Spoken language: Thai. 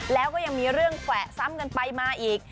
แล้วก็ยังมีเรื่องแขวะซ้ำกันไปมาอีก